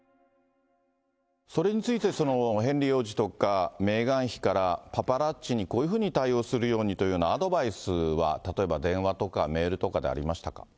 それについてヘンリー王子とかメーガン妃から、パパラッチに、こういうふうに対応するようにというようなアドバイスは、例えば電話とか、メールとかでありましたか。